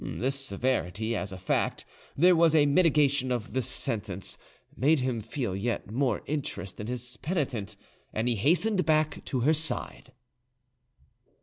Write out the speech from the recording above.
This severity—as a fact, there was a mitigation of the sentence—made him feel yet more interest in his penitent, and he hastened back to her side.